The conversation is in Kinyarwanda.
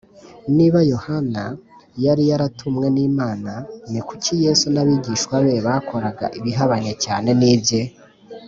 niba yohana yari yaratumwe n’imana, ni kuki yesu n’abigishwa be bakoraga ibihabanye cyane n’ibye?